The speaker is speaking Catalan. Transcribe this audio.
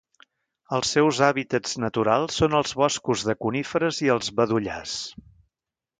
Els seus hàbitats naturals són els boscos de coníferes i els bedollars.